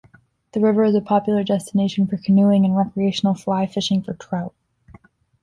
The river is a popular destination for canoeing and recreational fly fishing for trout.